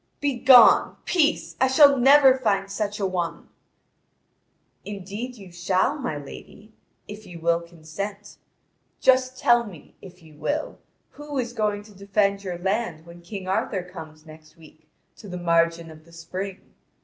"Begone! Peace! I shall never find such a one." "Indeed you shall, my lady, if you will consent. Just tell me, if you will, who is going to defend your land when King Arthur comes next week to the margin of the spring?